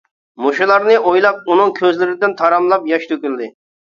مۇشۇلارنى ئويلاپ، ئۇنىڭ كۆزلىرىدىن تاراملاپ ياش تۆكۈلدى.